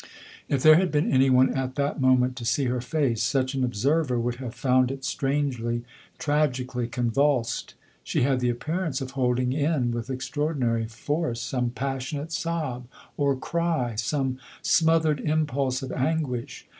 If there had been any one at that moment to see her face, such an observer would have found it strangely, tragic ally convulsed : she had the appearance of holding in with extraordinary force some passionate sob or cry, some smothered impulse of anguish.